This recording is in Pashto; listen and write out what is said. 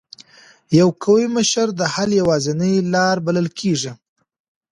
یو قوي مشر د حل یوازینۍ لار بلل کېږي.